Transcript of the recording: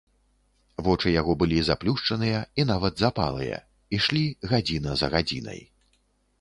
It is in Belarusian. Вочы яго былі заплюшчаныя і нават запалыя, ішлі гадзіна за гадзінай.